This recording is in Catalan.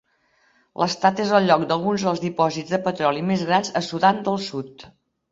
L'estat és el lloc d'alguns dels dipòsits de petroli més grans a Sudan del Sud.